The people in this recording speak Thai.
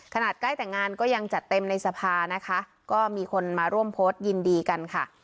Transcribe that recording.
ใกล้แต่งงานก็ยังจัดเต็มในสภานะคะก็มีคนมาร่วมโพสต์ยินดีกันค่ะ